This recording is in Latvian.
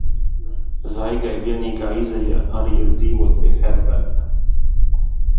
Zaigai vienīgā izeja arī ir dzīvot pie Herberta.